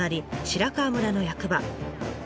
白川村の役場。